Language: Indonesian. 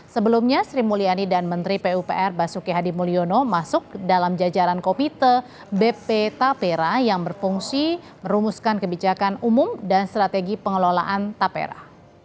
sebelumnya sri mulyani dan menteri pupr basuki hadi mulyono masuk dalam jajaran komite bp tapera yang berfungsi merumuskan kebijakan umum dan strategi pengelolaan tapera